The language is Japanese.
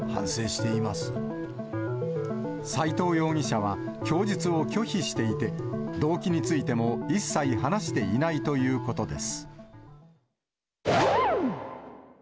斎藤容疑者は供述を拒否していて、動機についても一切話していないということです。